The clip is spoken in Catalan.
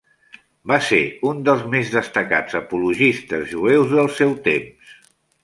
Va ser un dels més destacats apologistes jueus del seu temps.